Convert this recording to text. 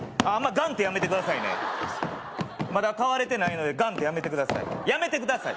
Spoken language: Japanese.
ガンッてやめてくださいねまだ買われてないのでガンッてやめてくださいやめてください